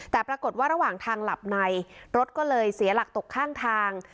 แต่ปรากฏว่าระหว่างทางหลับในรถก็เลยเสียหลักตกข้างทาง